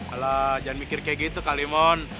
kalau jangan mikir kayak gitu kalimon